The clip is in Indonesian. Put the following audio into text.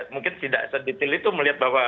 mungkin tidak sedetail itu melihat bahwa